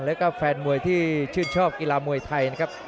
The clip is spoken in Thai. แล้วก็แฟนมวยที่ชื่นชอบกีฬามวยไทยนะครับ